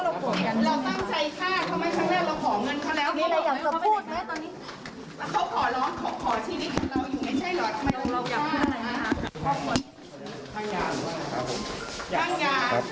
ข้างหย่าง